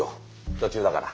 途中だから。